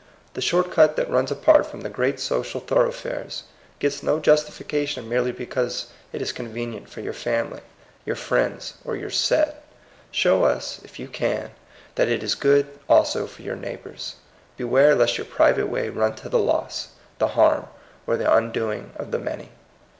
The short cut that runs apart from the great social thorough fares gets no justification merely because it is convenient for your family, your friends, or your set. Show us, if you can, that it is good also for your neighbors. Beware lest your private way run to the loss, the harm, or. the undoing of the many.